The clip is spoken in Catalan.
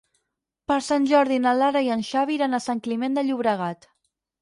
Per Sant Jordi na Lara i en Xavi iran a Sant Climent de Llobregat.